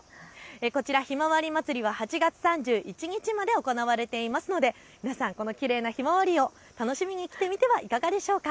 こちら、ひまわりまつりは８月３１日まで行われていますので皆さん、きれいなひまわりを楽しみに来てみてはいかがでしょうか。